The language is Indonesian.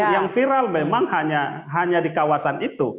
yang viral memang hanya di kawasan itu